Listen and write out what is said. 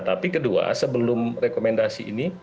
tapi kedua sebelum rekomendasi ini